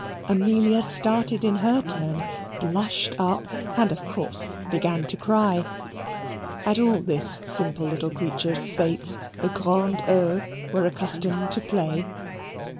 Amelia started in her turn, blushed up, and, of course, began to cry. At all this simple little creature's fetes, the grandes eaux were accustomed to play.